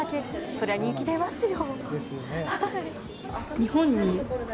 そりゃ人気出ますよ。